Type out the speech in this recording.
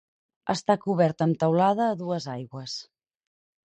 Està cobert amb teulada a dues aigües.